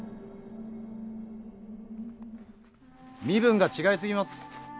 身分が違い過ぎます。